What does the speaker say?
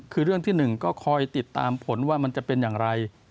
คือเรื่องที่๑ก็คอยติดตามผลว่ามันจะเป็นอย่างไร